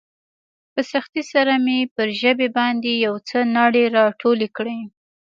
په سختۍ سره مې پر ژبې باندې يو څه ناړې راټولې کړې.